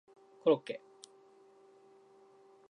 コロッケ